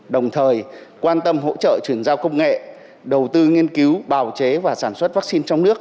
đồng thời quan tâm hỗ trợ chuyển giao công nghệ đầu tư nghiên cứu bào chế và sản xuất vaccine trong nước